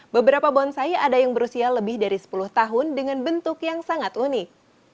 beberapa bonsai ada yang berusia lebih dari sepuluh tahun dengan bentuk yang sangat unik